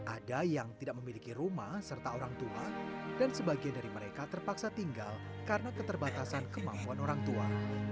ada yang tidak memiliki rumah serta orang tua dan sebagian dari mereka terpaksa tinggal karena keterbatasan kemampuan orang tua